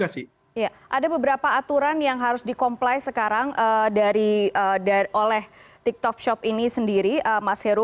ada beberapa aturan yang harus di comply sekarang oleh tiktok shop ini sendiri mas heru